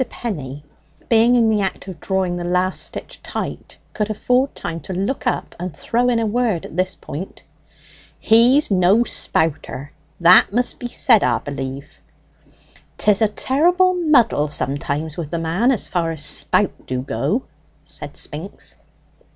Penny, being in the act of drawing the last stitch tight, could afford time to look up and throw in a word at this point. "He's no spouter that must be said, 'a b'lieve." "'Tis a terrible muddle sometimes with the man, as far as spout do go," said Spinks.